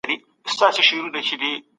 د زړه درد لپاره ورزش ګټور دی.